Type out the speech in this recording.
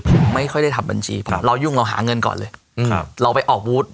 ผมไม่ค่อยได้ทำบัญชีเราหาเงินก่อนเลยเราไปออกวูธ